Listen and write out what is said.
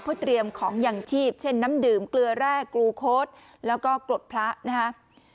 เพื่อเตรียมของอย่างชีพเช่นน้ำดื่มเกลือแร่กลูโค้ดแล้วก็กรดพระนะครับ